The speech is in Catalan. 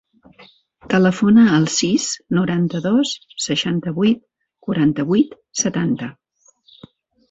Telefona al sis, noranta-dos, seixanta-vuit, quaranta-vuit, setanta.